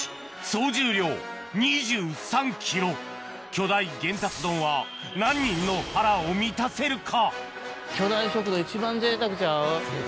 巨大玄達丼は何人の腹を満たせるか？